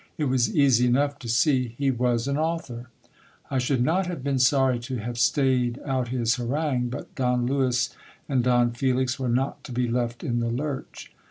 It was easy enough to see he was an author ! I should not have been sorry to liave staid out his harangue, but Don Lewis and Don Felix were not to be left in the lurch.